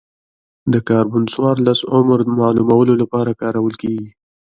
د کاربن څورلس عمر معلومولو لپاره کارول کېږي.